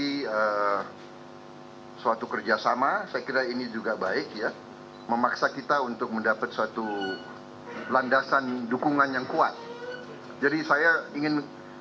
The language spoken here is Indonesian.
hai suatu kerjasama sekiranya juga baik ya memaksa kita untuk mendapat suatu landasan dukungan yang kuat jadi saya ingin